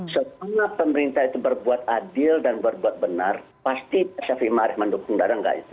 semoga pemerintah itu berbuat adil dan berbuat benar pasti pak syafiq imari mendukung tidak ada enggak itu